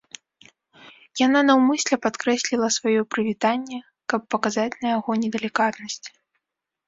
Яна наўмысля падкрэсліла сваё прывітанне, каб паказаць на яго недалікатнасць.